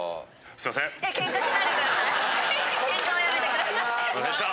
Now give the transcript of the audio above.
ケンカはやめてください。